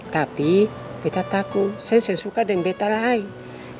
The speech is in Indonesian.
tapi beta takut sayang suka dengan beta lain